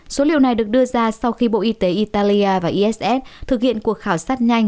số liệu này được đưa ra sau khi bộ y tế italia và iss thực hiện cuộc khảo sát nhanh